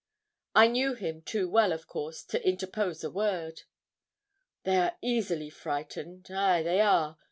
I knew him too well, of course, to interpose a word. 'They are easily frightened ay, they are.